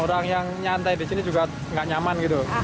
orang yang nyantai di sini juga nggak nyaman gitu